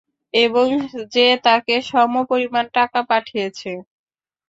এবং যে তাকে সমপরিমাণ টাকা পাঠিয়েছে।